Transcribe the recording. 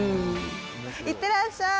いってらっしゃい。